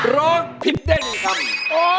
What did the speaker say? ร้องผิดเด้นอีกคำ